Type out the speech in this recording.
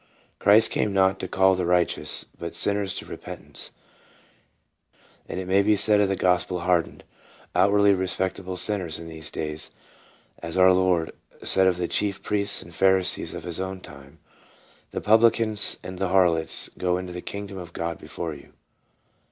Christ came not to call the righteous, but sinners to re pentance ; and it may be said of the gospel harden ed, outwardly respectable sinners in these days, as our Lord said of the chief priests and Pharisees of his own time, " The publicans and the harlots go into the kingdom of God before you."